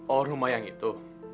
oh rumah yang itu